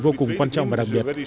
vô cùng quan trọng và đặc biệt